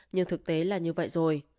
nhưng thực tế là như vậy rồi